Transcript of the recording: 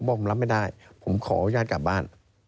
ผมบอกผมรับไม่ได้ผมขอโอกาสกลับบ้าน